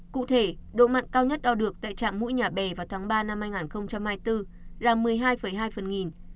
cụ thể độ mặn cao nhất đo được tại trạm mũi nhà bè vào tháng ba năm hai nghìn hai mươi bốn là một mươi hai hai phần nghìn